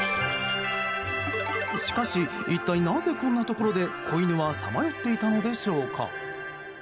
しかし、一体なぜこんなところで子犬はさまよっていたのでしょうか。